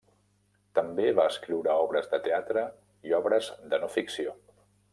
També va escriure obres de teatre i obres de no ficció.